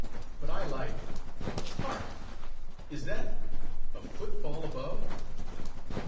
But I like—." "Hark! is that—a footfall above?"